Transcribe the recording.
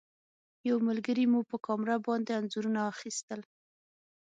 یو ملګري مو په کامره باندې انځورونه اخیستل.